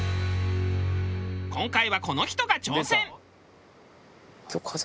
今回はこの人が挑戦。